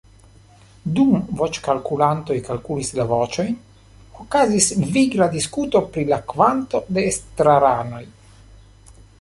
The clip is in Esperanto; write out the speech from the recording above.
Dum voĉkalkulantoj kalkulis la voĉojn, okazis vigla diskuto pri la kvanto de estraranoj.